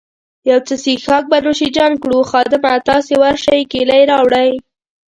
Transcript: یو څه څیښاک به نوش جان کړو، خادمه، تاسي ورشئ کیلۍ راوړئ.